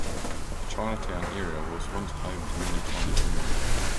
The Chinatown area was once home to many Chinese immigrants.